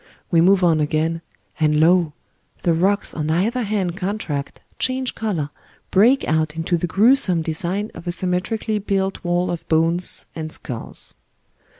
We move on again, and lo ! the rocks on either hand contract, change colour, break out into the gruesome de sign of a symmetrically built wall of bones and skulls.